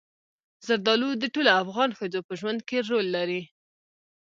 زردالو د ټولو افغان ښځو په ژوند کې رول لري.